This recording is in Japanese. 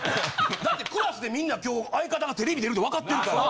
だってクラスでみんな今日相方がテレビ出るってわかってるから。